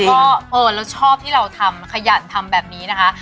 ก็เออเราชอบที่เราทำขยันทำแบบนี้นะคะ